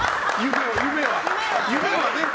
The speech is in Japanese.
夢はね。